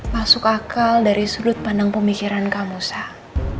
masuk akal dari sudut pandang pemikiran kamu sah